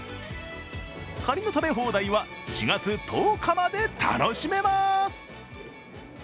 かにの食べ放題は４月１０日まで楽しめます。